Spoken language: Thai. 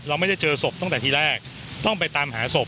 เราไม่ได้เจอศพตั้งแต่ที่แรกต้องไปตามหาศพ